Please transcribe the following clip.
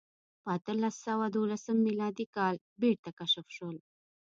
په اتلس سوه دولسم میلادي کال بېرته کشف شول.